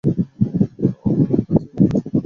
এদের কাছে কাজ কি করে করতে হয়, তা শেখ।